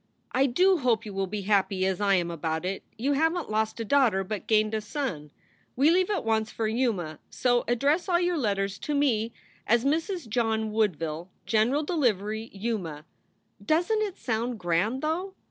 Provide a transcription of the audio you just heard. I do hope you will be happy as I am about it. You havent lost a daughter but gained a son. We leave at once for Yuma, so address all your letters to me as Mrs. John Woodville, General Delivery, Yuma. Doesnt it sound grand, though?